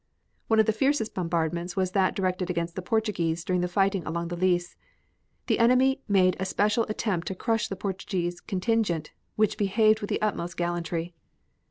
One of the fiercest bombardments was that directed against the Portuguese during the fighting along the Lys. The enemy made a special attempt to crush the Portuguese contingent which behaved with the utmost gallantry.